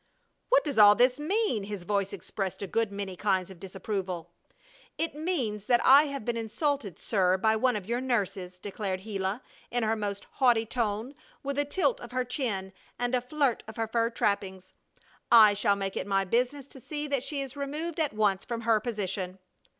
"What does all this mean?" His voice expressed a good many kinds of disapproval. "It means that I have been insulted, sir, by one of your nurses!" declared Gila, in her most haughty tone, with a tilt of her chin and a flirt of her fur trappings. "I shall make it my business to see that she is removed at once from her position."